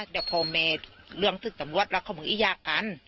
เดี๋ยวพ่อแม่เรื่องศึกตำรวจแล้วเขามึงอียากกัน